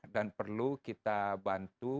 dan perlu kita bantu